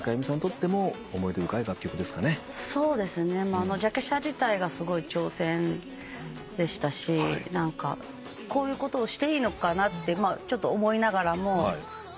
あのジャケ写自体がすごい挑戦でしたしこういうことをしていいのかなってちょっと思いながらもやったので。